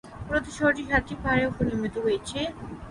মূলত, শহরটি সাতটি পাহাড়ের উপর নির্মিত হয়েছে।